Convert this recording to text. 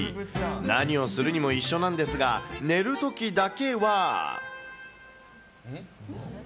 何をするにも一緒なんですが、寝るときだけは。